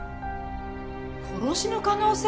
殺しの可能性？